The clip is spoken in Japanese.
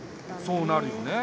そうなるよね。